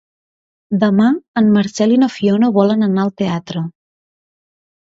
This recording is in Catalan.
Demà en Marcel i na Fiona volen anar al teatre.